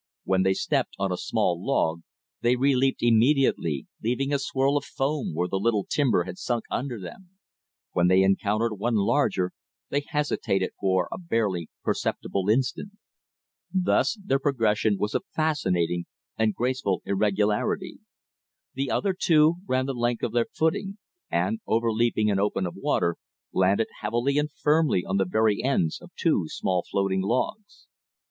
When they stepped on a small log they re leaped immediately, leaving a swirl of foam where the little timber had sunk under them; when they encountered one larger, they hesitated for a barely perceptible instant. Thus their progression was of fascinating and graceful irregularity. The other two ran the length of their footing, and, overleaping an open of water, landed heavily and firmly on the very ends of two small floating logs.